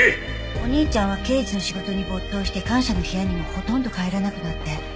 お兄ちゃんは刑事の仕事に没頭して官舎の部屋にもほとんど帰らなくなって。